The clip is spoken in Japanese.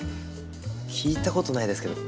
聞いた事ないですけど。